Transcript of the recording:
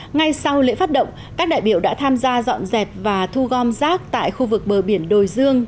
ngay sau lễ phát động các đại biểu đã tham gia dọn dẹp và thu gom rác tại khu vực bờ biển đồi dương